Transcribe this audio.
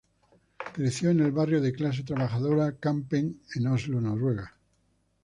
Creció en el barrio de clase trabajadora Kampen en Oslo, Noruega.